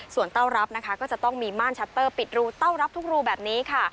ส่วนเต้ารับนะคะก็จะต้องมีม่านชัตเตอร์ปิดรูเต้ารับทุกรูแบบนี้ค่ะ